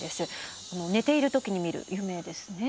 寝ている時に見る夢ですね。